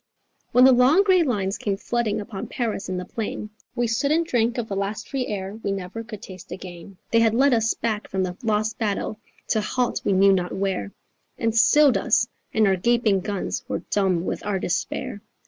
_ When the long grey lines came flooding upon Paris in the plain, We stood and drank of the last free air we never could taste again: They had led us back from the lost battle, to halt we knew not where And stilled us; and our gaping guns were dumb with our despair.